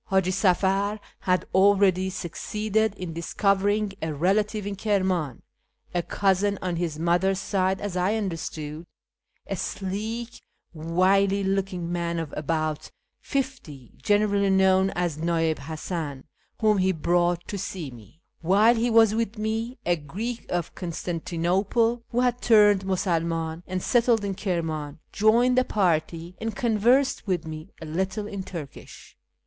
430 A YEAR AMONGST THE PERSIANS H;iji Safar IkuI nlivady succeediMl in discovering a relative in Kirnuin (a cousin on his mother's side, as I understood) — a sleek, wily looking man of ahout lifty, generally known as " Nii'ib Hasan" — whom he bruuglit to see me. Wliih; lie was with me, a Greek of Constantinople, whu had turned Musulnuin and settled in Kirman, joined the party, and conversed with me a little in Turkish.